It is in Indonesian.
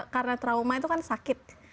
karena trauma itu kan sakit